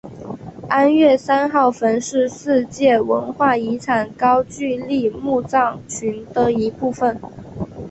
安岳三号坟是世界文化遗产高句丽墓葬群的一部份。